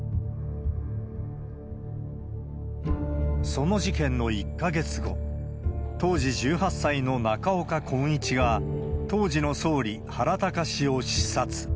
その事件の１か月後、当時１８歳の中岡艮一が、当時の総理、原敬を刺殺。